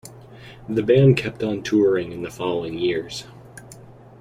The band kept on touring in the following years.